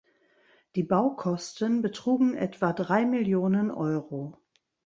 Die Baukosten betrugen etwa drei Millionen Euro.